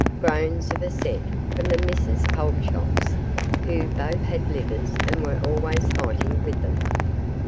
Groans of assent from the Misses Pulchops, who both had livers and were always fighting with them.